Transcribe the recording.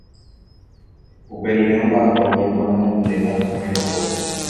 Uperire ombaʼapo ñeʼẽporãhaipyre ha tekuairekópe.